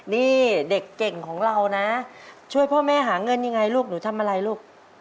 นี่เด็กเก่งของเรานะช่วยพ่อแม่หาเงินยังไงลูกหนูทำอะไรลูก